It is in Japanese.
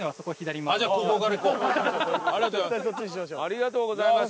ありがとうございます。